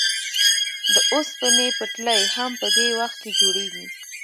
د اوسپنې پټلۍ هم په دې وخت کې جوړېږي